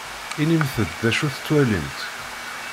Inimt-d d acu tettwalimt.